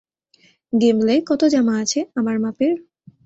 গিম্বলে, কতো জামা আছে, আমার মাপের।